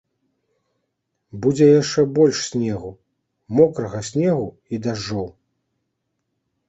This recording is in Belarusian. Будзе яшчэ больш снегу, мокрага снегу і дажджоў.